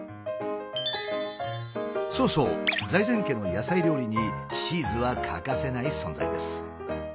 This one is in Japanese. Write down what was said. そうそう財前家の野菜料理にチーズは欠かせない存在です。